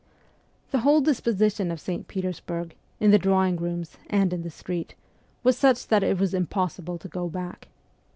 The whole disposition of St. Petersburg, in the drawing rooms and in the street, was such that it was impossible to go back.